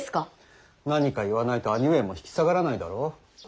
何か言わないと兄上も引き下がらないだろう。